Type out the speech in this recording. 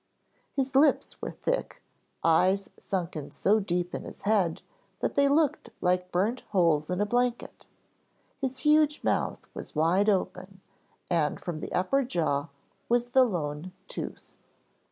His lips were thick, eyes sunken so deep in his head that they looked like burnt holes in a blanket, his huge mouth was wide open and from the upper jaw was the lone tooth.